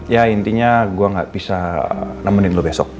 ya intinya gue gak bisa nemenin lo besok